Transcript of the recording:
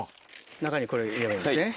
中にこれ入れるんですね。